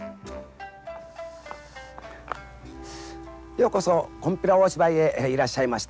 ようこそ金毘羅大芝居へいらっしゃいました。